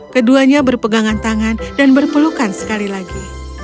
keduanya berpegangan tangan dan berpelukan sekali lagi